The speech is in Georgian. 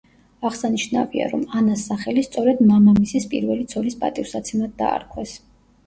აღსანიშნავია, რომ ანას სახელი სწორედ მამამისის პირველი ცოლის პატივსაცემად დაარქვეს.